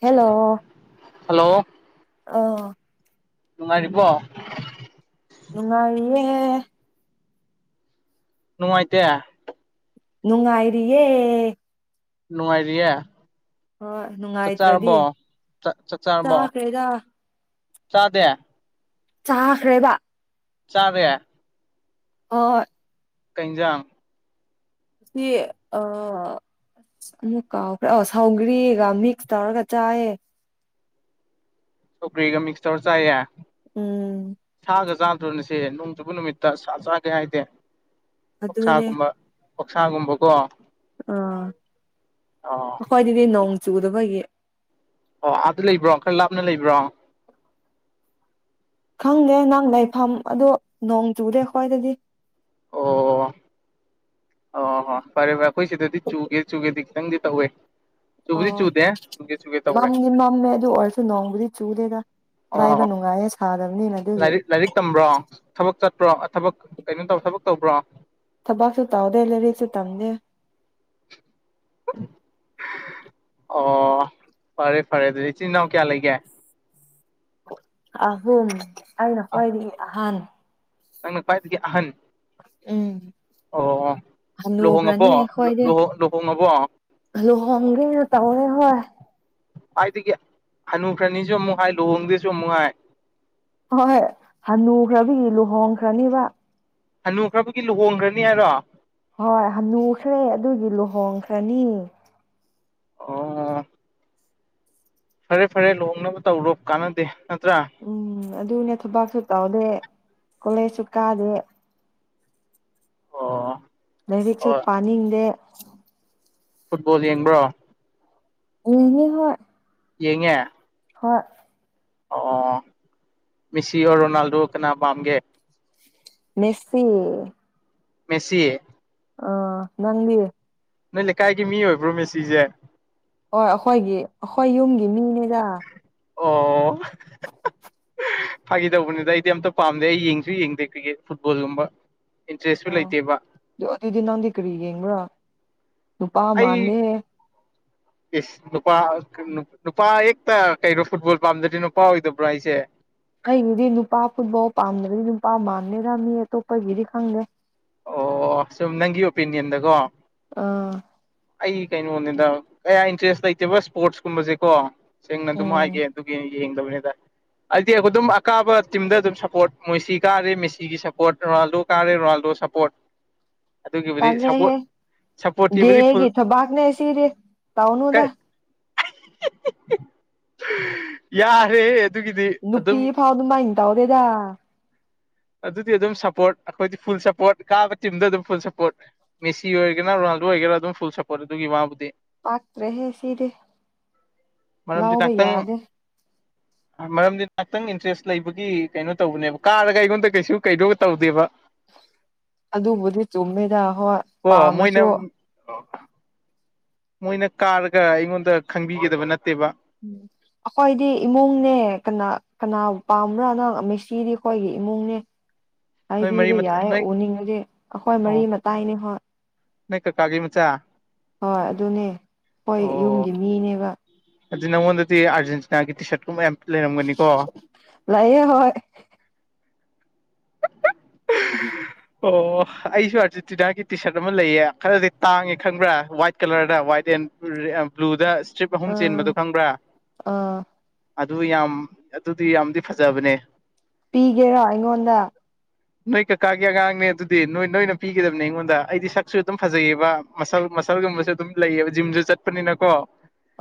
hello hello ꯑꯧ ꯅꯨꯡꯉꯥꯏꯔꯤꯕꯣ ꯅꯨꯡꯉꯥꯏꯔꯤꯌꯦ ꯅꯨꯡꯉꯥꯏꯇꯦ ꯅꯨꯡꯉꯥꯏꯔꯤꯌꯦ ꯅꯨꯡꯉꯥꯏꯔꯤꯌꯦ ꯍꯣꯏ ꯆꯥꯛ ꯅꯨꯡꯉꯥꯏꯇ꯭ꯔꯗꯤ ꯆꯥꯔꯕꯣ ꯆꯠ ꯆꯥꯔꯕꯣ ꯆꯥꯈ꯭ꯔꯦꯗ ꯆꯗꯦ ꯆꯥꯈ꯭ꯔꯦꯕ ꯆꯥꯔꯦ ꯑꯣ ꯍꯣꯏ ꯀꯩ ꯍꯦꯟꯖꯥꯡ ꯁꯤ ꯑꯥ ꯑꯃꯨꯛ ꯀꯥꯎꯈ꯭ꯔ ꯑꯧ ꯁꯧꯒꯔꯤꯒ ꯃꯤꯛꯁ ꯇꯧꯔꯒ ꯆꯥꯏꯌꯦ ꯁꯧꯒꯔꯤꯒ ꯃꯤꯛꯁ ꯇꯧꯔ ꯆꯥꯏꯌꯦ ꯎꯝ ꯆꯥꯒ ꯆꯥꯗ꯭ꯔꯣꯅꯁꯦ ꯅꯣꯡꯖꯨꯕ ꯅꯨꯃꯤꯠꯇ ꯆꯥꯒꯦ ꯍꯥꯏꯗꯦ ꯑꯗꯨ ꯑꯗꯨꯅꯦ ꯀꯛꯁꯥꯒꯨꯝꯕꯀꯣ ꯑꯥ ꯑꯣ ꯑꯩꯈꯣꯏꯗꯤꯗꯤ ꯅꯣꯡ ꯆꯨꯗꯕꯒꯤ ꯑꯣ ꯑꯗꯨꯥ ꯂꯩꯕ꯭ꯔꯣ ꯈꯔ ꯂꯥꯞꯅ ꯂꯩꯕ꯭ꯔꯣ ꯈꯪꯗꯦ ꯅꯪ ꯂꯩꯐꯝ ꯑꯗꯨ ꯅꯣꯡ ꯆꯗꯦ ꯈ꯭ꯋꯥꯣꯏꯗꯗꯤ ꯑꯣ ꯑꯣ ꯍꯣ ꯐꯔꯦ ꯐꯔꯦ ꯑꯩꯈꯣꯏ ꯁꯤꯗꯗꯤ ꯆꯨꯒꯦ ꯆꯨꯒꯦꯗꯤ ꯈꯤꯇꯪꯗꯤ ꯇꯧꯋꯦ ꯑ ꯆꯨꯕꯨꯗꯤ ꯆꯨꯗꯦ ꯆꯨꯒꯦ ꯆꯨꯒꯦ ꯇꯧꯔꯦ ꯃꯝꯅꯤ ꯃꯃꯦ ꯑꯗꯨ ꯑꯣꯔꯁꯨ ꯅꯣꯡꯕꯗꯤ ꯆꯨꯗꯦꯒ ꯑ ꯂꯥꯏꯔꯤꯛ ꯂꯥꯏꯔꯤꯛ ꯇꯝꯕ꯭ꯔꯣ ꯊꯕꯛ ꯆ ꯭ꯔꯣ ꯊꯕꯛ ꯀꯩꯅꯣ ꯇ ꯊꯕꯛ ꯇꯧꯕ꯭ꯔꯣ ꯊꯕꯛꯁꯨꯦ ꯇꯥꯎꯗꯦ ꯂꯩꯔꯤꯛꯁꯦ ꯇꯝꯗꯦ ꯑꯣ ꯐꯔꯦ ꯐꯔꯦ ꯑꯗꯨꯗꯤ ꯏꯆꯤꯟꯜ ꯏꯅꯥꯎ ꯀꯌꯥ ꯂꯩꯒꯦ ꯑꯍꯨꯝ ꯑꯩꯅ ꯑ ꯈ꯭ꯋꯥꯏꯗꯤ ꯑꯍꯥꯟ ꯅꯪꯅ ꯄꯥꯏꯗꯗꯒꯤꯦ ꯑꯍꯟ ꯎꯝ ꯑꯣ ꯍꯅꯨꯈ꯭ꯔꯅꯤ ꯂꯨꯍꯣꯡꯉꯕꯣꯨꯍ ꯑꯩꯈꯣꯏꯗꯤ ꯂꯨꯍꯣꯡꯉꯕꯣ ꯂꯨꯍꯣꯡꯒꯦꯅ ꯇꯧꯔꯦ ꯍꯣꯏ ꯑꯗꯨꯏꯗꯒꯤ ꯍꯅꯨ ꯈ꯭ꯔꯅꯤꯁꯨ ꯑꯃꯨꯛ ꯍꯥꯏ ꯂꯨꯍꯣꯡꯗꯁꯨ ꯑꯃꯨꯛ ꯍꯥꯏ ꯍꯣꯏꯣꯏ ꯍꯅꯨꯈ꯭ꯔꯕꯤ ꯂꯨꯍꯣꯡꯈ꯭ꯔꯅꯤꯕ ꯍꯟꯅꯨꯈ꯭ꯔꯕꯒꯤ ꯂꯨꯍꯣꯡꯈ꯭ꯔꯅꯤ ꯍꯥꯏꯔꯣ ꯍꯣꯏ ꯍꯅꯨꯈ꯭ꯔꯦ ꯑꯗꯨꯏꯗꯤ ꯂꯨꯍꯣꯡꯈ꯭ꯔꯅꯤ ꯑꯣ ꯐꯔꯦ ꯐꯔꯦ ꯂꯨꯅꯕ ꯇꯧꯔꯣ ꯀꯥꯟꯅꯗꯦ ꯅꯠꯇ꯭ꯔꯥ ꯎꯝ ꯑꯗꯨꯅꯦ ꯊꯨꯕꯥꯛꯁꯨ ꯇꯥꯎꯗꯦ ꯀꯂꯦꯁꯨꯀꯥꯗ ꯑꯣ ꯅꯗꯤ ꯑꯣ ꯆꯠ ꯄꯅꯤꯗꯦ ꯐꯨꯠꯕꯣꯜ ꯌꯦꯡꯕ꯭ꯔꯣ ꯑꯦꯅꯤ ꯍ ꯌꯦꯉ ꯍꯣꯏ ꯑꯣ ꯃꯤꯁꯤꯑꯣ ꯔꯣꯅꯥꯜꯗꯣ ꯀ ꯑꯒꯦ ꯃꯦꯁꯤ ꯃꯦꯁꯤꯌꯦ ꯑꯥ ꯅꯪꯦ ꯅꯣꯏ ꯂꯩꯀꯥꯏꯒꯤ ꯃꯤ ꯑꯣꯏꯕ꯭ꯔꯣ ꯃꯦꯁꯤꯁꯦ ꯑꯣ ꯑꯩꯈꯣꯏꯒꯤ ꯑꯩꯈꯣꯏ ꯌꯨꯝꯒꯤ ꯃꯤꯅꯦꯗ ꯑꯣ ꯐꯥꯈꯤꯗꯧꯕꯅꯤꯗ ꯑꯩꯗꯤ ꯑꯝꯇ ꯄꯥꯝꯗꯦ ꯑꯩ ꯌꯦꯡꯁꯨ ꯌꯦꯡꯗꯦ ꯀ꯭ꯔꯤꯛꯀꯦꯠ ꯐꯨꯠꯕꯣꯜꯒꯨꯝꯕ ꯏꯟꯇꯔꯦꯁꯁꯨ ꯑ ꯂꯩꯇꯦꯕ ꯑꯗꯨꯗꯤ ꯅ ꯅꯗꯀ꯭ꯔꯤ ꯌꯦꯡ꯭ꯔ ꯅꯨꯨꯄꯥ ꯃꯥꯥꯟꯅꯦꯦꯦ ꯏꯁꯁ ꯅꯨꯄꯥ ꯅꯨꯄꯥ ꯍꯦꯛꯇ ꯀꯩꯅꯣ ꯐꯨꯠꯕꯣꯜ ꯄꯥꯝꯗ꯭ꯗꯤ ꯅꯨꯄꯥ ꯑꯣꯏꯗꯕ꯭ꯔꯣ ꯑꯩꯁꯦ ꯑꯩꯒꯤꯗꯤ ꯅꯨꯄꯥ ꯐꯨꯠꯕꯥꯎ ꯄꯥꯝꯗꯗꯤ ꯅꯨꯄꯥ ꯃꯥꯟꯅꯔꯝꯅꯤ ꯑꯇꯣꯞꯄꯒꯤꯗꯤ ꯈꯪꯗꯦ ꯑꯣ ꯁꯨꯝ ꯅꯪꯒꯤ ꯑꯣꯄꯤꯅꯤꯌꯟꯗꯀꯣ ꯑꯥ ꯑꯩꯒꯤ ꯀꯩꯅꯣꯅꯤꯗ ꯀꯌꯥ ꯏꯟꯇꯔꯦꯁ ꯂꯩꯇꯦꯕ ꯏꯁꯄꯣꯔꯠꯁ ꯀꯨꯝꯕꯁꯦꯀꯣ ꯁꯦꯡꯅ ꯎꯝ ꯑꯗꯨꯝꯥꯏꯒꯦ ꯑꯗꯨꯒꯤ ꯌꯦꯡꯉ ꯅꯤꯗ ꯍꯥꯏꯗꯤ ꯑꯩꯈꯣꯏ ꯑꯗꯨꯝ ꯑꯀꯥꯕ ꯇꯤꯝꯗ ꯑꯗꯨꯝ ꯁꯞꯄꯣꯔꯠ ꯃꯣꯏꯁꯤ ꯀꯥꯔꯦ ꯃꯦꯁꯤꯒꯤ ꯁꯞꯄꯣꯔꯠ ꯔꯣꯅꯥꯜꯗꯣ ꯀꯥꯔꯦ ꯔꯣꯅꯥꯜꯗꯣ ꯁꯞꯄꯣꯔꯠ ꯑꯗꯨꯒꯤꯕꯨꯗꯤꯄ ꯁꯄꯣꯔꯠꯀꯤꯤꯕꯨꯗꯤ ꯐꯨꯜ ꯕꯥꯒꯅꯦ ꯑꯦꯁꯤꯔꯦ ꯇꯥꯎꯅꯗ ꯌꯥꯔꯦ ꯅꯨꯄꯤ ꯐꯥꯎ ꯑꯗꯨ ꯃꯥꯏꯟ ꯇꯧꯗꯦꯗ ꯑꯗꯨꯗꯤ ꯑꯗꯨꯝ ꯁꯞꯄꯣꯔꯠ ꯑꯩꯈꯣꯏꯗꯤ ꯐꯨꯜ ꯁꯞꯄꯣꯔꯠ ꯀꯥꯕ ꯇꯤꯝꯗ ꯑꯗꯨꯝ ꯐꯨꯜ ꯁꯞꯄꯣꯔꯠ ꯃꯦꯁꯤ ꯑꯣꯏꯔꯒꯅ ꯔ ꯑꯣꯏꯒꯦꯔꯥ ꯑꯗꯨꯝ ꯐꯨꯜ ꯁꯄꯣꯔꯠ ꯑꯗꯨꯒꯤ ꯋꯥꯕꯨꯗꯤ ꯄꯥꯛꯇꯔ꯭ꯦꯍꯦ ꯁꯤꯗꯤ ꯃꯔꯝꯗꯤ ꯂꯧꯕꯥ ꯉꯥꯛꯇꯪ ꯌꯥꯗꯦ ꯃꯔꯝꯗꯤ ꯉꯥꯏꯍꯥꯛꯇꯪ ꯏꯟꯇꯔꯦꯁ ꯂꯩꯕꯒꯤ ꯀꯩꯅꯣ ꯇꯧꯕꯅꯦꯕ ꯀꯥꯔꯒ ꯑꯩꯉꯣꯟꯗ ꯀꯩꯁꯨ ꯀꯩꯅꯣ ꯇꯧꯗꯦꯕ [inaudible] ꯑꯗꯨꯕꯨꯗꯤ ꯆꯨꯝꯃꯤꯗ ꯍꯣꯏ ꯀꯣ ꯃꯣꯏꯅ ꯄꯥꯝꯃꯥꯁꯨ ꯃꯣꯏꯅ ꯀꯥꯔꯒ ꯑꯩꯉꯣꯟꯗ ꯈꯪꯕꯤꯒꯗꯕ ꯅꯠꯇꯦꯕ ꯎꯝ ꯑꯩꯈꯣꯏꯗꯤ ꯏꯃꯨꯡꯅꯦ ꯀꯅꯥ ꯀꯅꯥ ꯄꯥꯝꯕ꯭ꯔꯥ ꯅꯪ ꯃꯦꯁꯤꯗꯤ ꯑꯩꯈꯣꯏꯒꯤ ꯏꯃꯨꯡꯅꯦ ꯅꯣꯏ ꯃꯔꯤ ꯍꯥꯏꯕꯤꯕ ꯌꯥꯌꯦ ꯅꯣꯏ ꯎꯅꯤꯡꯉꯗꯤ ꯑꯩꯈꯣꯏ ꯑꯣ ꯃꯔꯤ ꯃꯇꯥꯏꯅꯦ ꯍꯣꯏ ꯅꯣꯏ ꯀꯥꯀꯥꯒꯤ ꯃꯆꯥ ꯍꯣꯏ ꯑꯗꯨꯅꯦ ꯍꯣꯏ ꯑꯣ ꯌꯨꯝꯒꯤ ꯃꯤꯅꯦꯕ ꯑꯗꯨ ꯅꯥꯉꯣꯟꯗꯗꯤ ꯑꯔꯖꯦꯟꯇꯤꯅꯥꯒꯤ ꯇꯨꯏꯁꯟꯕꯥ ꯀꯨꯝꯕꯥ ꯌꯥꯝ ꯂꯩꯔꯝꯒꯅꯤꯀꯣ ꯂꯦꯏꯌꯦ ꯍꯣꯏ ꯎꯝ ꯑꯣ ꯑꯩꯁꯨ ꯑꯥꯔꯖꯦꯟꯇꯤꯅꯥꯒꯤ ꯇꯤꯁꯥꯔꯠ ꯑꯃ ꯂꯩꯌꯦ ꯈꯔꯗꯤ ꯇꯥꯡꯉꯦ ꯈꯪꯕ꯭ꯔꯥ ꯋꯥꯏꯠ ꯀꯂꯔꯗ ꯋꯥꯏꯠ ꯕ꯭ꯂꯨꯗ ꯏꯁꯇ꯭ꯔꯤꯞ ꯑꯍꯨꯝ ꯑꯥ ꯆꯦꯟꯕꯗꯨꯣ ꯈꯪꯕ꯭ꯔꯥ ꯑꯥ ꯑꯗꯨ ꯌꯥꯝ ꯑꯗꯨꯗꯤ ꯌꯥꯝꯗꯤ ꯐꯖꯕꯅꯦ ꯄꯤꯒꯦꯔꯣ ꯑꯩꯉꯣꯟꯗ ꯅꯣꯏ ꯀꯀꯥ ꯒꯤ ꯑꯉꯥꯡꯅꯦ ꯑꯗꯨꯗꯤ ꯅꯣꯏ ꯅꯣꯏꯅ ꯄꯤꯒꯗꯕꯅꯦ ꯑꯩꯉꯣꯟꯗ ꯑꯩꯗꯤ ꯁꯛꯁꯨ ꯑꯗꯨꯝ ꯐꯖꯩꯌꯦꯕ ꯃꯁꯜ ꯃꯁꯜꯒꯨꯝꯕꯁꯨ ꯑꯗꯨꯝ ꯂꯩꯌꯦꯕ ꯖꯤꯝꯁꯨ ꯆꯠꯄꯅꯤꯅꯀꯣ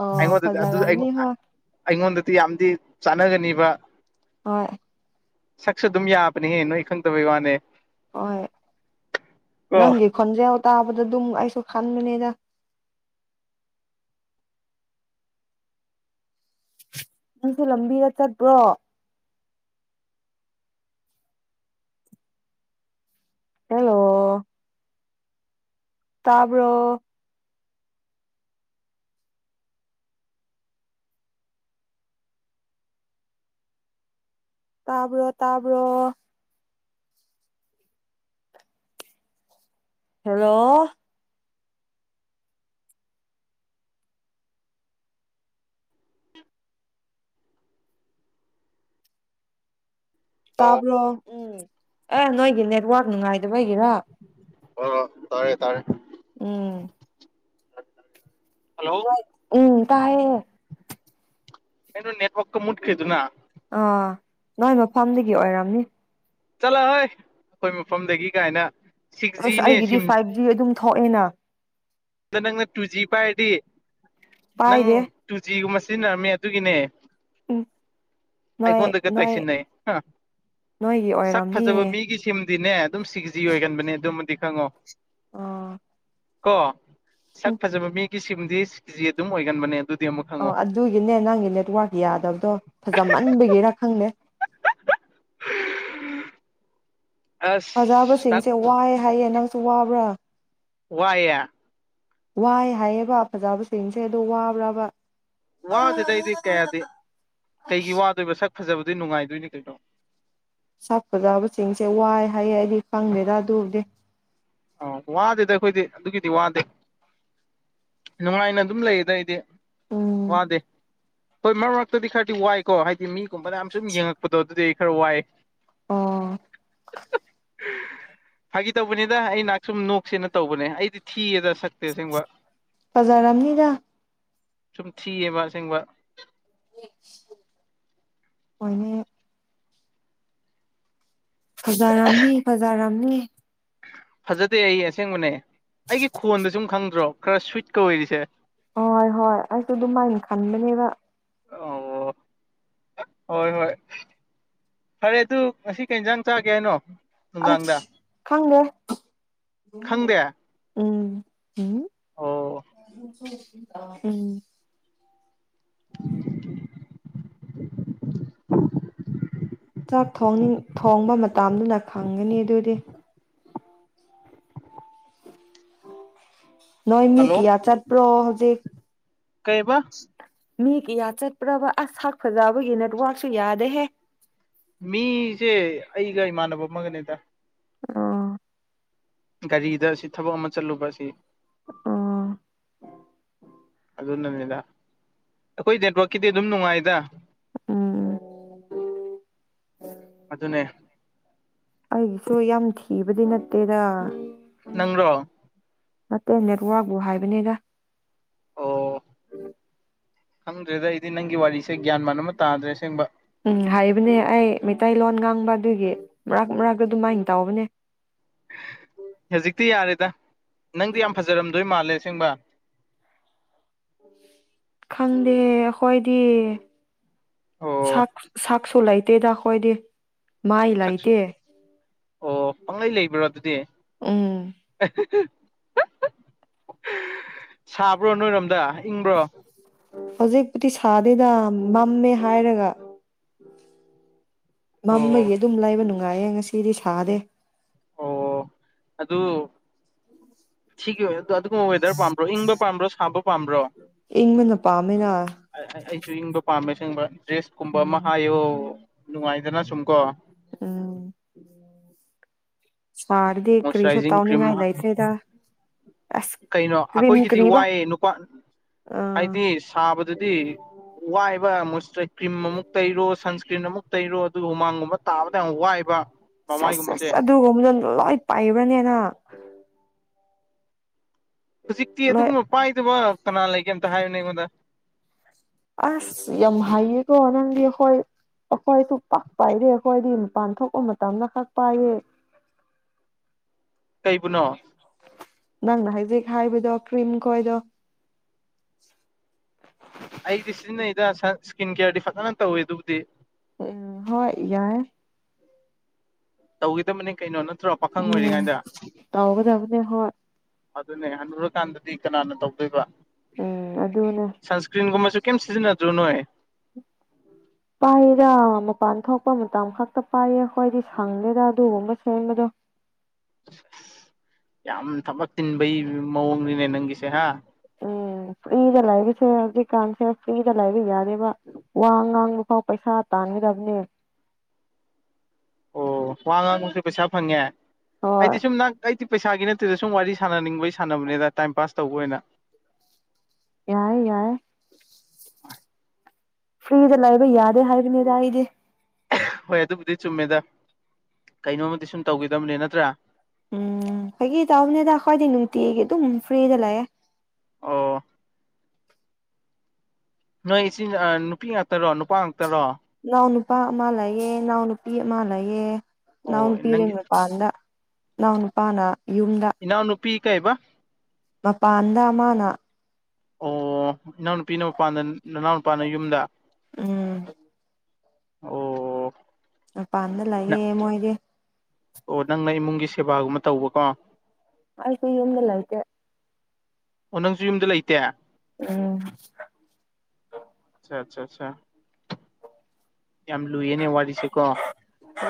ꯑꯣ ꯑꯩꯉꯣꯟꯗꯗꯤ ꯐꯖꯔꯝꯅꯤ ꯍꯣꯏ ꯑꯩꯉꯣꯟꯗꯗꯤ ꯌꯥꯝꯗꯤ ꯆꯥꯟꯅꯒꯅꯤꯕ ꯑꯥ ꯁꯛꯁꯨ ꯑꯗꯨꯝ ꯌꯥꯕꯅꯦꯍꯦ ꯅꯣꯏ ꯈꯪꯗꯕꯩ ꯋꯥꯅꯦ ꯍꯣꯏ ꯀꯣ ꯅꯪꯒꯤ ꯈꯣꯟꯖꯦꯜ ꯇꯥꯕꯗ ꯑꯗꯨꯝ ꯑꯩꯁꯨ ꯈꯟꯕꯅꯤꯗ ꯅꯪꯁꯨ ꯂꯝꯕꯤꯗ ꯆꯠꯄ꯭ꯔꯣ ꯍꯦꯜꯂꯣ ꯇꯥꯕꯔꯣ ꯇꯥꯕ꯭ꯔꯣ ꯇꯥꯕ꯭ꯔꯣ ꯍꯜꯂꯣ ꯇꯥꯕ꯭ꯔꯣ ꯎꯝ ꯑꯦ ꯅꯣꯏꯒꯤ ꯅꯦꯠꯋꯔꯛ ꯅꯨꯡꯉꯥꯏꯇꯥꯕꯒꯤꯔꯣ ꯍ ꯇꯥꯔꯦ ꯇꯥꯔꯦ ꯎꯝ ꯍꯜꯂꯣ ꯎꯝ ꯇꯥꯏꯌꯦ ꯀꯩꯅꯣ ꯅꯦꯠꯋꯛ ꯀꯥ ꯃꯨꯠꯈꯔ꯭ꯤꯗꯨꯅ ꯑꯥ ꯅꯣꯏ ꯃꯐꯝꯗꯒꯤ ꯑꯣꯏꯔꯝꯅꯤ ꯆꯠꯂꯣꯍꯦ ꯑꯩꯈꯣꯏ ꯃꯐꯝꯗꯒꯤ ꯀꯥꯏꯅ ꯁꯤꯛꯁ ꯑꯁ ꯖꯤꯅꯦ ꯑꯩꯒꯤꯗꯤ ꯐꯥꯏꯚ ꯖꯤ ꯑꯗꯨꯝ ꯊꯣꯛꯑꯦꯅ ꯑꯗꯨ ꯅꯪꯅ ꯇꯨꯖꯤ ꯄꯥꯏꯔꯗꯤ ꯅꯪ ꯄꯥꯏꯗꯦ ꯇꯨꯖꯤ ꯒꯨꯝꯕ ꯁꯤꯖꯤꯟꯅꯔꯝꯃꯦ ꯑꯗꯨꯒꯤꯅꯦ ꯎꯝ ꯅꯣꯏ ꯑꯩꯉꯣꯟꯗꯒ ꯅꯣꯏ ꯇꯥꯏꯁꯤꯟꯅꯩꯌꯦ ꯅꯣꯏꯒꯤ ꯁꯛ ꯐꯖꯕ ꯑꯣꯏꯔꯝꯅꯤꯌꯦ ꯃꯤꯒꯤꯁꯤ ꯑꯗꯨꯗꯤꯅꯦ ꯑꯗꯨꯝ ꯁꯤꯛꯁ ꯖꯤ ꯑꯣꯏꯒꯟꯕꯅꯦ ꯑꯗꯨꯃꯗꯤ ꯈꯪꯉꯣ ꯑꯣ ꯀꯣ ꯁꯛ ꯐꯖꯕ ꯃꯤꯒꯤ ꯁꯤꯝꯗꯤ ꯁꯤꯛꯁꯖꯤ ꯑꯗꯨꯝ ꯑꯣꯏꯒꯟꯕꯅꯦ ꯑꯗꯨꯗꯤ ꯑꯃꯨꯛ ꯑꯣ ꯈꯪꯉꯣ ꯑꯗꯨꯒꯤꯅꯦ ꯅꯪꯒꯤ ꯅꯦꯠꯋꯥꯔꯛ ꯌꯥꯗꯕꯗꯣ ꯐꯖꯃꯟꯕꯒꯤꯔ ꯈꯪꯗꯦ [inaudible] ꯑꯁ ꯇꯛ ꯐꯖꯕꯁꯤꯡꯁꯦ ꯋꯥꯏꯑ ꯍꯥꯏꯌꯦ ꯅꯪꯁꯨ ꯋꯥꯕ꯭ꯔꯥ ꯋꯥꯌꯦ ꯋꯥꯏ ꯍꯥꯏꯌꯦꯕ ꯐꯖꯕꯁꯤꯡꯁꯦ ꯑꯗꯣ ꯋꯥꯕ꯭ꯔꯥꯕ ꯋꯥꯗꯦꯗ ꯑꯩꯗꯤ ꯀꯌꯥꯗꯤ ꯀꯩꯒꯤ ꯋꯥꯗꯣꯏꯕ ꯁꯛ ꯐꯖꯕꯗ ꯅꯨꯡꯉꯥꯏꯗꯣꯏꯅꯦ ꯀꯩꯅꯣ ꯁꯥꯞꯄꯗꯥꯕꯁꯤꯡꯁꯦ ꯋꯥꯏ ꯍꯥꯏꯌꯦ ꯑꯩꯗꯤ ꯐꯪꯗꯦꯔ ꯑꯗꯨꯔꯗꯤ ꯑ ꯋꯥꯗꯦꯗꯤ ꯑꯩꯈꯣꯏꯗꯤ ꯑꯗꯨꯒꯤꯗꯤ ꯋꯥꯗꯦ ꯅꯨꯡꯉꯥꯏꯅ ꯑꯗꯨꯝ ꯂꯩ ꯑꯗ ꯑꯩꯗꯤ ꯎꯝ ꯋꯥꯗꯦ ꯍꯣꯏ ꯃꯔꯛ ꯃꯔꯛꯇꯗꯤ ꯈꯔꯗꯤ ꯋꯥꯏꯀꯣ ꯍꯥꯏꯗꯤ ꯃꯤꯒꯨꯝꯕꯅ ꯌꯥꯝ ꯁꯨꯝ ꯌꯦꯡꯉꯛꯄꯗꯣ ꯑꯗꯨꯗꯤ ꯈꯔ ꯋꯥꯏ ꯑꯣ ꯐꯥꯒꯤ ꯇꯧꯕꯅꯤ ꯑꯗ ꯑꯩ ꯅꯍꯥꯛ ꯁꯨꯝ ꯅꯣꯛꯁꯦꯅ ꯇꯧꯕꯅꯦ ꯑꯩꯗꯤ ꯊꯤꯌꯦꯗ ꯁꯛꯇꯦꯁꯦꯡꯕ ꯐꯖꯥꯔꯝꯅꯤꯗ ꯁꯨꯝ ꯊꯤꯌꯦꯕ ꯑꯁꯦꯡꯕ ꯃꯣꯏꯅꯦ ꯐꯖꯥꯔꯝꯅꯤ ꯐꯖꯥꯔꯝꯅꯤ ꯐꯖꯗꯦ ꯑꯩ ꯑꯁꯦꯡꯕꯅꯦ ꯑꯩꯒꯤ ꯈꯣꯟꯗ ꯁꯨꯝ ꯈꯪꯗ꯭ꯔꯣ ꯈꯔ ꯁ꯭ꯋꯤꯠꯀ ꯑꯣꯏꯔꯤꯁꯦ ꯍꯣꯏ ꯍꯣꯏ ꯑꯩꯁꯨ ꯑꯗꯨꯃꯥꯏꯅ ꯈꯟꯕꯅꯦꯕ ꯑꯣ ꯍꯣꯏ ꯍꯣꯏ ꯐꯔꯦ ꯑꯗꯨ ꯉꯁꯤ ꯀꯩꯁꯥꯡ ꯆꯥꯒꯦ ꯍꯥꯏꯅꯣ ꯑ ꯅꯨꯡꯗꯥꯡꯗ ꯈꯪꯒ ꯎꯝ ꯈꯪꯗꯦ ꯎꯝ ꯎꯝ ꯑꯣ [inaudible] [inaudible] ꯆꯥꯛ ꯊꯣꯡ ꯊꯣꯡꯕ ꯃꯇꯝꯗꯨꯅ ꯈꯪꯒꯅꯤ ꯑꯗꯨꯗꯤ ꯅꯣꯏꯃꯤ ꯀ ꯍꯜꯂꯣ ꯏ ꯌꯥ ꯆꯠꯄ꯭ꯔꯣ ꯍꯧꯖꯤꯛ ꯀꯩꯕ ꯃꯤ ꯀꯤꯌꯥ ꯆꯠꯄ꯭ꯔꯕ ꯑꯁꯛ ꯐꯖꯕꯒꯤ ꯅꯦꯠꯋꯛꯁꯨ ꯌꯥꯗꯦꯍꯦ ꯃꯤꯁꯦ ꯑꯩꯒ ꯏꯃꯥꯟꯅꯕ ꯑꯃꯒꯅꯦꯗ ꯑꯥ ꯒꯥꯔꯤꯗ ꯑꯁꯤ ꯊꯕꯛ ꯑꯃ ꯆꯠꯂꯨꯕ ꯑꯁꯤ ꯑꯥ ꯑꯗꯨꯅꯅꯤꯗ ꯑꯩꯈꯣꯏ ꯅꯦꯠꯋꯥꯛꯛꯀꯤꯗꯤ ꯑꯗꯨꯝ ꯅꯨꯡꯉꯥꯏꯗ ꯎꯝ ꯑꯗꯨꯅꯦ ꯇ ꯌꯥꯝ ꯊꯤꯕꯗꯤ ꯅꯠꯇꯦꯗ ꯅꯪ꯭ꯔꯣ ꯅꯠꯇꯦ ꯅꯦꯠꯋꯥꯛꯛꯕꯨ ꯍꯥꯏꯕꯅꯤꯒ ꯍ ꯔꯦꯖ ꯏꯗꯤ ꯅꯪꯒꯤ ꯋꯥꯔꯤꯁꯤ ꯎꯝ ꯍꯥꯏꯔꯤꯕꯅꯦ ꯑꯩ ꯃꯤꯇꯩꯇꯩ ꯂꯣꯟꯒꯥꯡ ꯈꯪꯕ ꯑꯗꯨꯒꯤ ꯃꯔꯛ ꯃꯔꯥꯛ ꯑꯗꯨꯝ ꯃꯥꯏꯅ ꯇꯥꯎꯕꯅꯦ ꯍꯧꯖꯤꯛꯇꯤ ꯌꯥꯔꯦꯗ ꯅꯪꯗꯤ ꯌꯥꯝ ꯐꯖꯔꯝꯗꯣꯏ ꯃꯥꯜꯂꯦ ꯆꯁꯤꯡꯕ ꯈꯪꯗꯦ ꯍꯣꯏꯗꯤ ꯑꯣ ꯁꯛꯁꯨ ꯂꯩꯇꯦꯗ ꯑꯩꯈꯣꯏꯗꯤ ꯃꯥꯏ ꯁꯛꯁꯨ ꯂꯩꯇꯦ ꯑꯣ ꯄꯪꯂꯪꯂꯩ ꯂꯩꯕ꯭ꯔꯣ ꯑꯗꯨꯗꯤ ꯎꯝ ꯁꯥꯕ꯭ꯔꯅ ꯎ ꯎꯝ ꯍꯧꯖꯤꯛꯄꯨꯗꯤ ꯁꯥꯗꯦꯗ ꯃꯝꯃꯦ ꯍꯥꯏꯔꯒ ꯑꯣ ꯃꯃꯒꯤ ꯑꯗꯨꯝ ꯂꯩꯕ ꯅꯨꯡꯉꯥꯏꯌꯦꯦ ꯉꯁꯤꯗꯤ ꯁꯥꯗꯦ ꯑꯣ ꯑꯗꯨ ꯁꯤꯒꯤ ꯑꯣꯏ ꯑꯗꯨꯒꯨꯝꯕ ꯋꯦꯗꯔ ꯄꯥꯝꯕ꯭ꯔꯣ ꯏꯪꯕ ꯄꯥꯝꯕ꯭ꯔꯣ ꯁꯥꯕ ꯄꯥꯝꯕ꯭ꯔꯣ ꯏꯪꯕꯅ ꯄꯥꯝꯃꯦꯅ ꯑꯩꯁꯨ ꯏꯪꯕ ꯄꯥꯝꯃꯦ [inaudible] ꯤꯡꯕ ꯗ꯭ꯔꯦꯁ ꯀꯨꯝꯕ ꯑꯃ ꯎꯝ ꯍꯥꯏꯌꯣ ꯅꯨꯡꯉꯥꯏꯗꯅ ꯁꯨꯝꯀꯣ ꯎꯝ ꯁꯔꯗꯤ ꯀꯔꯤ ꯁꯇꯥ ꯃꯣꯏꯆꯔꯥꯏꯖꯤꯡ ꯅꯤꯡ ꯀ꯭ꯔꯤꯝ ꯉꯥꯏ ꯂ ꯐꯗ ꯀꯩꯅꯣ ꯑꯩꯈꯣꯏꯒꯤꯗꯤ ꯋꯥꯏꯑꯦ ꯅꯨꯄꯥ ꯍꯥꯏꯗꯤ ꯁꯥꯕꯗꯨꯗꯤ ꯋꯥꯏꯕ ꯃꯣꯏꯆꯔꯥꯏ ꯀ꯭ꯔꯤꯝ ꯑꯃꯨꯛ ꯇꯩꯔꯣ ꯁꯟꯁ꯭ꯀ꯭ꯔꯤꯟ ꯑꯃꯨꯛ ꯇꯩꯔꯣ ꯑꯗꯨꯒ ꯍꯨꯃꯥꯡ ꯁꯠ ꯁꯠꯁ ꯑꯗꯨꯒꯨꯝꯕꯗ ꯂꯣꯏ ꯄꯥꯏꯕ꯭ꯔꯅꯦ ꯅꯪ [inaudible] ꯍꯧꯖꯤꯛꯇꯤ ꯂꯣꯏ ꯑꯗꯨꯒꯨꯝꯕ ꯄꯥꯏꯗꯕ ꯀꯅꯥ ꯂꯩꯒꯦ ꯑꯝꯇ ꯍꯥꯏꯌꯨꯅꯦ ꯑꯩꯉꯣꯟꯗ ꯑꯁ ꯌꯥꯝ ꯍꯩꯌꯦ ꯀꯣ ꯑꯅꯗꯤ ꯍꯣꯏ ꯑꯩꯈꯣꯏꯁꯨ ꯄꯥꯛ ꯄꯥꯏꯗꯦ ꯑꯩꯈꯣꯏꯗꯤ ꯃꯄꯥꯟ ꯊꯣꯛꯄ ꯃꯇꯝꯗ ꯈꯛ ꯄꯥꯏꯌꯦ ꯀꯩꯕꯨꯅꯣ ꯅꯪꯅ ꯍꯥꯏꯖꯤꯛ ꯍꯥꯏꯕꯗꯣ ꯀ꯭ꯔꯤꯝ ꯈꯣꯏꯗꯣ ꯁꯟ ꯁꯀꯤꯟ ꯀꯦꯌꯥꯔꯗꯤ ꯐꯖꯅ ꯇꯧꯋꯤ ꯑꯗꯨꯕꯨꯗꯤ ꯎꯝ ꯍꯣꯏ ꯌꯥꯏ ꯇꯧꯒꯤꯗꯕꯅꯤ ꯀꯩꯅꯣ ꯅꯠꯇ꯭ꯔꯣ ꯄꯥꯈꯪ ꯎꯝ ꯑꯣꯏꯔꯤꯉꯥꯏꯗ ꯇꯧꯒꯗꯕꯅꯦ ꯍꯣꯏ ꯑꯗꯨꯅꯦ ꯍꯟꯅꯨꯔꯀꯥꯟꯗ ꯗꯤ ꯀꯅꯥꯅ ꯇꯧꯗꯣꯏꯕ ꯎꯝ ꯑꯗꯨꯅꯦ ꯁꯟꯁꯀ꯭ꯔꯤꯟꯒꯨꯝꯕꯁꯦ ꯀꯩꯝ ꯁꯤꯖꯤꯟꯅꯗ꯭ꯔꯣ ꯅꯣꯏ ꯄꯥꯏꯔ ꯃꯄꯥꯟ ꯊꯣꯛꯄ ꯃꯇꯝ ꯈꯛꯇ ꯄꯥꯏꯌꯦ ꯑꯩꯈꯣꯏꯗꯤ ꯁꯪꯗꯦꯗ ꯑꯗꯨꯒꯨꯝꯕ ꯁꯦꯝꯕꯗꯣ ꯌꯥꯝ ꯊꯕꯛ ꯆꯤꯟꯕꯩ ꯃꯑꯣꯡꯅꯤꯅꯦ ꯅꯪꯒꯤꯁꯦ ꯍꯥ ꯎꯝ [inaudible] ꯐ꯭ꯔꯤꯗ ꯂꯥꯏꯕꯁꯦ ꯍꯧꯖꯤꯛꯀꯥꯟꯁꯦ ꯐ꯭ꯔꯤꯗ ꯂꯥꯏꯕ ꯌꯥꯔꯦꯔꯤꯕ ꯋꯥ ꯉꯥꯡꯕ ꯐꯥꯎ ꯄꯩꯁꯥ ꯇꯥꯡꯉꯤ ꯗꯕꯅꯦ ꯑꯣ ꯋꯥ ꯉꯥꯡꯕꯁꯨ ꯄꯩꯁꯥ ꯐꯪꯉꯦ ꯍꯣꯏ ꯑꯩꯗꯤ ꯁꯨꯝ ꯅꯪ ꯄꯩꯁꯥꯒꯤ ꯅꯠꯇꯦꯗ ꯁꯨꯝ ꯋꯥꯔꯤ ꯁꯥꯟꯅꯅꯤꯡꯕꯒꯤ ꯁꯥꯟꯅꯕꯅꯤꯗ ꯇꯥꯏꯝ ꯄꯥꯁ ꯇꯧꯕ ꯑꯣꯏꯅ ꯌꯥꯏ ꯌꯥꯏ ꯐ꯭ꯔꯤꯗ ꯂꯩꯕ ꯌꯥꯗꯦ ꯍꯥꯏꯕꯅꯦꯗ ꯑꯩꯗꯤ ꯍꯣꯏ ꯑꯗꯨꯕꯨꯗꯤ ꯆꯨꯝꯃꯦꯗ ꯀꯩꯅꯣꯝꯃꯗꯤ ꯁꯨꯝ ꯇꯧꯒꯗꯕꯅꯦ ꯅꯠꯇ꯭ꯔꯥ ꯎꯝ ꯐꯥꯒꯤ ꯇꯧꯅꯦꯗ ꯑꯩꯈꯣꯏꯗꯤ ꯅꯨꯡꯇꯤꯒꯤ ꯑꯗꯨꯝ ꯐ꯭ꯔꯤꯗ ꯂꯩꯑꯦ ꯑꯣ ꯅꯣꯏ ꯏꯆꯤꯟ ꯅꯨꯄꯤ ꯉꯥꯛꯇꯔꯣ ꯅꯨꯄꯥ ꯉꯥꯛꯇꯔꯣ ꯏꯅꯥꯎ ꯅꯨꯄꯥ ꯑꯃ ꯂꯩꯌꯦ ꯏꯅꯥꯎ ꯅꯨꯄꯤ ꯑꯃ ꯂꯩꯌꯦ ꯑꯣ ꯏꯅꯥꯎ ꯅꯨꯄꯤꯗꯤ ꯅꯪꯒꯤ ꯃꯄꯥꯟꯗ ꯐꯅꯥꯎ ꯅꯨꯄꯥꯅ ꯌꯨꯝꯗ ꯄꯤ ꯀꯥꯏꯕ ꯃꯄꯥꯗ ꯃꯅꯥ ꯑꯣ ꯏꯅꯥꯎꯅꯨꯄꯤꯅ ꯃꯄꯥꯟꯗ ꯅꯅꯥꯎ ꯅꯨꯄꯥꯅ ꯌꯨꯝꯗ ꯎꯝ ꯑꯣ ꯃꯄꯥꯟꯗ ꯂꯥꯛꯌꯦ ꯃꯣꯏꯗꯤ ꯑꯣ ꯅꯪꯅ ꯏꯃꯨꯡꯒꯤ ꯁꯦꯕꯥꯒꯨꯝꯕ ꯇꯧꯕꯀꯣ ꯑꯩꯁꯨ ꯌꯨꯝꯗ ꯂꯩꯇꯦ ꯑꯣ ꯅꯪꯁꯨ ꯌꯨꯝꯗ ꯂꯩꯇꯦ ꯎꯝ ꯑꯆꯥ ꯑꯆꯥ ꯌꯥꯝ ꯂꯨꯏꯅꯦ ꯋꯥꯔꯤꯁꯤ ꯀꯣ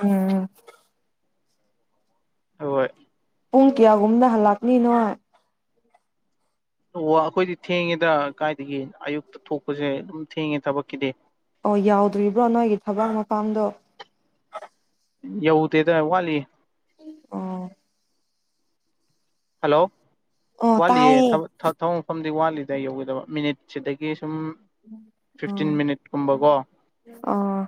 ꯎꯝ ꯍꯣꯏ ꯄꯨꯡ ꯀꯌꯥꯒꯨꯝꯅ ꯍꯜꯂꯛꯅꯤ ꯅꯣꯢ ꯑꯣ ꯑꯩꯈꯣꯏꯗꯤ ꯊꯦꯡꯉꯦꯗ ꯀꯥꯏꯗꯒꯤ ꯑꯌꯨꯛꯇ ꯊꯣꯛꯄꯁꯦ ꯑꯗꯨꯝ ꯊꯦꯡꯉꯦ ꯊꯕꯛꯀꯤꯗꯤ ꯑꯣ ꯌꯥꯎꯗ꯭ꯔꯤꯕ꯭ꯔꯣ ꯅꯣꯏꯒꯤ ꯊꯕꯛ ꯃꯄꯝꯗꯣ ꯌꯧꯗꯦꯗ ꯋꯥꯠꯂꯤ ꯑꯣ ꯍꯜꯂꯣ ꯑꯣ ꯋꯥꯠꯂꯤꯌꯦ ꯇꯥꯏꯌꯦ ꯊꯕꯛ ꯃꯐꯝꯗꯤ ꯋꯥꯠꯂꯤꯗ ꯌꯧꯒꯗꯕ ꯃꯤꯅꯤꯠ ꯁꯤꯗꯒꯤ ꯁꯨꯝ ꯐꯤꯐꯇꯤꯟ ꯎꯝ ꯃꯤꯅꯤꯠ ꯀꯨꯝꯕꯀꯣ ꯑꯣ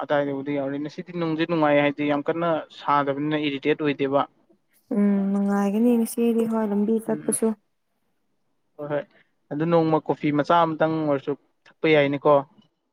ꯥꯏꯗꯥꯏꯕꯨꯗꯤ ꯌꯥꯎꯔꯤꯅꯤ ꯉꯁꯤꯗꯤ ꯅꯨꯡꯗꯤ ꯅꯨꯡꯉꯥꯏ ꯍꯥꯏꯗꯤ ꯌꯥꯝ ꯀꯟꯅ ꯁꯥꯗꯕꯅꯤꯅ ꯏꯔꯤꯇꯦꯠ ꯑꯣꯏꯗꯦꯕ ꯎꯝ ꯅꯨꯡꯉꯥꯏꯒꯅꯤ ꯉꯁꯤꯗꯤ ꯍꯣꯏ ꯂꯝꯕꯤ ꯎꯝ ꯆꯠꯄꯁꯨ ꯍꯣꯏ ꯍꯣꯏ ꯑꯗꯨ ꯅꯣꯡꯃ ꯀꯣꯐꯤ ꯃꯆꯥ ꯑꯃꯇꯪ ꯑꯣꯏꯔꯁꯨ ꯊꯛꯄ ꯌꯥꯏꯅꯤꯀꯣ